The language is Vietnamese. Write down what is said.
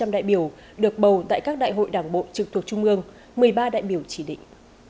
một trăm linh đại biểu được bầu tại các đại hội đảng bộ trực thuộc trung ương một mươi ba đại biểu chỉ định